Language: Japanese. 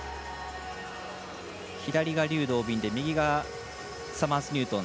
左が劉道敏で右がサマーズニュートン。